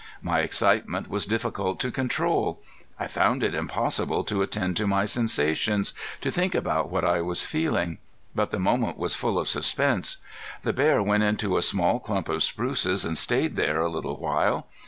My excitement was difficult to control. I found it impossible to attend to my sensations, to think about what I was feeling. But the moment was full of suspense. The bear went into a small clump of spruces and stayed there a little while.